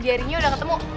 di harinya udah ketemu